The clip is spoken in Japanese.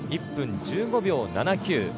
１分１５秒７９。